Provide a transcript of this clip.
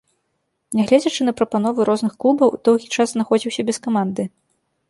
Нягледзячы на прапановы розных клубаў, доўгі час знаходзіўся без каманды.